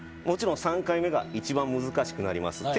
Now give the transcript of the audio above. もちろん３回目が一番難しくなります。